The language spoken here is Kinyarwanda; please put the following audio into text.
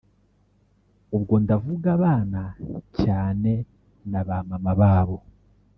ubwo ndavuga abana cyane na ba mama babo